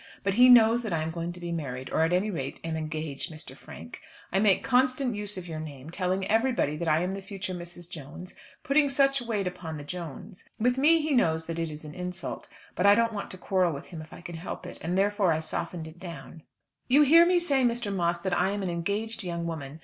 But he knows that I am going to be married, or at any rate am engaged, Mr. Frank. I make constant use of your name, telling everybody that I am the future Mrs. Jones, putting such weight upon the Jones. With me he knows that it is an insult; but I don't want to quarrel with him if I can help it, and therefore I softened it down. "You hear me say, Mr. Moss, that I'm an engaged young woman.